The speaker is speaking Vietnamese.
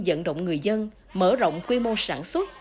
dẫn động người dân mở rộng quy mô sản xuất